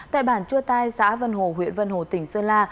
tại bản chua tai xã vân hồ huyện vân hồ tỉnh sơn la